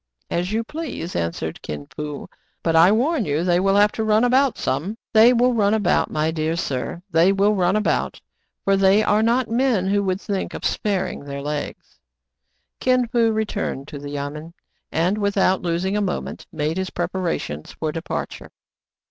"As you please," answered Kin Fo; "but I warn you they will have to run about some." "They will run about, my dear sir; they will run about : for they are not men who would think of sparing their legs." Kin Fo returned to the yamen, and, without los ing a moment, made his preparations for departure.